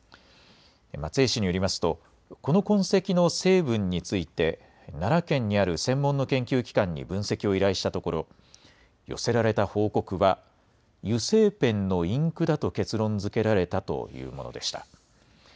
松江市によりますと、この痕跡の成分について、奈良県にある専門の研究機関に分析を依頼したところ、寄せられた報告は、油性ペンのインクだと結論づけられたというものでした。